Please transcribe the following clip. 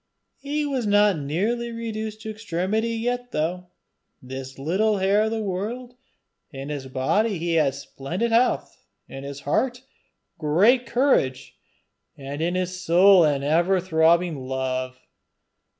He was not nearly reduced to extremity yet though this little heir of the world: in his body he had splendid health, in his heart a great courage, and in his soul an ever throbbing love.